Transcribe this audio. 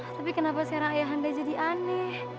tapi kenapa sekarang ayahanda jadi aneh